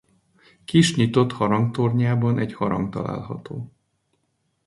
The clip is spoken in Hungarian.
Kis nyitott harangtornyában egy harang található.